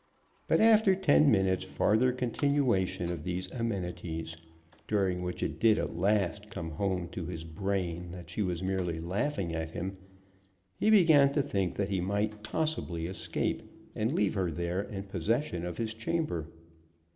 But after ten minutes' farther continuation of these amenities, during which it did at last come home to his brain that she was merely laughing at him, he began to think that he might possibly escape, and leave her there in possession of his chamber.